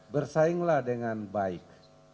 bersainglah dengan baik